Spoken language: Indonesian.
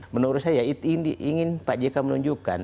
menurut saya itu ingin pak jk menunjukkan